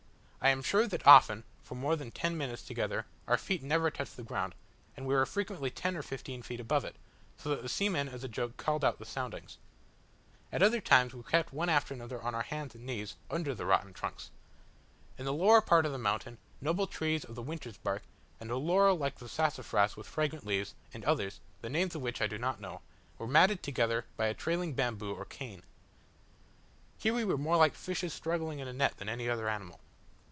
I am sure that often, for more than ten minutes together, our feet never touched the ground, and we were frequently ten or fifteen feet above it, so that the seamen as a joke called out the soundings. At other times we crept one after another on our hands and knees, under the rotten trunks. In the lower part of the mountain, noble trees of the Winter's Bark, and a laurel like the sassafras with fragrant leaves, and others, the names of which I do not know, were matted together by a trailing bamboo or cane. Here we were more like fishes struggling in a net than any other animal.